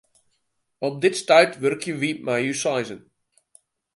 Op dit stuit wurkje wy mei ús seizen.